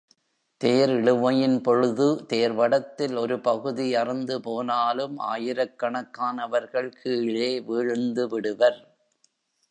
தேர் இழுவையின் பொழுது தேர்வடத்தில் ஒரு பகுதி அறுந்துபோனாலும் ஆயிரக் கணக்கானவர்கள் கீழே வீழ்ந்துவிடுவர்.